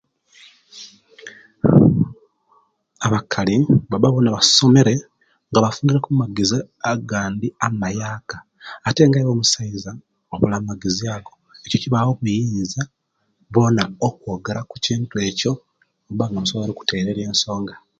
Abakali baba basingire ku amagezi agandi agaba mayaka ate nga iwe omusaiza obula magezi ago ekyo kibawa obuyinza bona okwogera kukintu ekyo nimuba nga musobola okutereriya ensonga